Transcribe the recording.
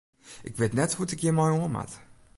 Ik wit net hoe't ik hjir mei oan moat.